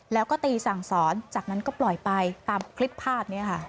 แล้วก็ตีสั่งสอนจากนั้นก็ปล่อยไปตามคลิปภาพนี้ค่ะ